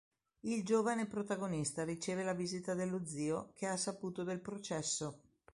Il giovane protagonista riceve la visita dello zio, che ha saputo del processo.